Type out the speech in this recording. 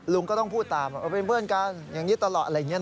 ลุงก็ต้องพูดตามเค้าเป็นเพื่อนการอย่างนี้ตลอด